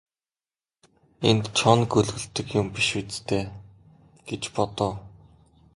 Энд чоно гөлөглөдөг юм биш биз дээ гэж бодов.